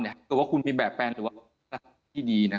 หรือว่าคุณมีแบบแปลงที่ดี